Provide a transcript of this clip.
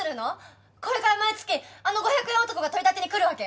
これから毎月あの５００円男が取り立てに来るわけ？